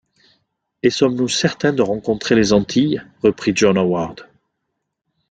Et sommes-nous certains de rencontrer les Antilles ?… reprit John Howard.